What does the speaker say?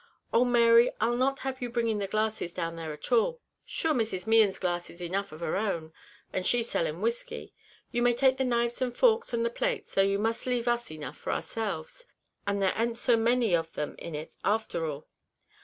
"Oh! Mary, I'll not have you bringing the glasses down there at all; sure Mrs. Mehan's glasses enough of her own, and she selling whiskey. You may take the knives, and the forks, and the plates; though you must leave us enough for ourselves and there an't so many of them in it after all."